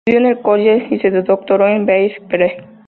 Estudió en el Caltech y se doctoró en Berkeley.